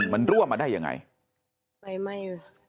มันรั่วมาได้ยังไง